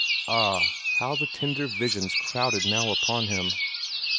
Ah, how the tender visions crowded now upon him!